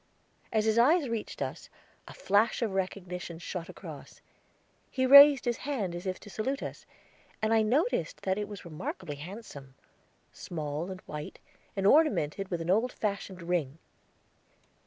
As his eyes reached us, a flash of recognition shot across; he raised his hand as if to salute us, and I noticed that it was remarkably handsome, small and white, and ornamented with an old fashioned ring.